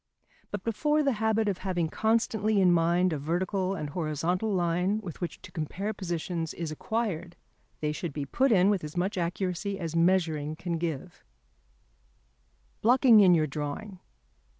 But before the habit of having constantly in mind a vertical and horizontal line with which to compare positions is acquired, they should be put in with as much accuracy as measuring can give. [Sidenote: Blocking in your Drawing.